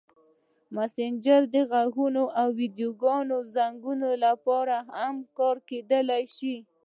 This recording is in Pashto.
مسېنجر د غږیزو او ویډیويي زنګونو لپاره هم کارېدلی شي.